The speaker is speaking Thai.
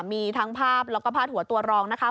มีทั้งภาพแล้วก็พาดหัวตัวรองนะคะ